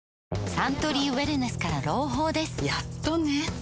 サントリーウエルネスから朗報ですやっとね